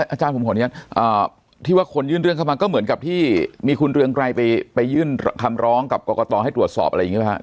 อาจารย์ผมขออนุญาตที่ว่าคนยื่นเรื่องเข้ามาก็เหมือนกับที่มีคุณเรืองไกรไปยื่นคำร้องกับกรกตให้ตรวจสอบอะไรอย่างนี้ไหมฮะ